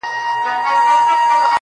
o وه كلي ته زموږ راځي مـلـنگه ككـرۍ.